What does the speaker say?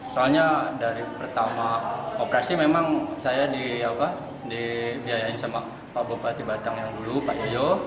soalnya dari pertama operasi memang saya dibiayain sama pak bupati batang yang dulu pak yoyo